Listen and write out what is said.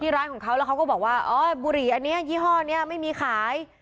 ร้านของเขาแล้วเขาก็บอกว่าอ๋อบุหรี่อันนี้ยี่ห้อนี้ไม่มีขาย